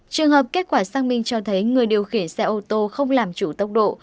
trường hợp kết quả xác minh cho thấy người điều khiển xe ô tô không làm chủ tốc độ